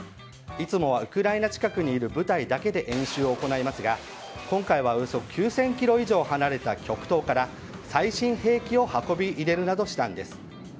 いつもはウクライナ近くにある部隊だけで演習を行いますが今回はおよそ９０００ｋｍ離れた極東から最新兵器を運び入れるなどしたんです。